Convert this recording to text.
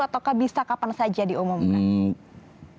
atau bisa kapan saja diumumkan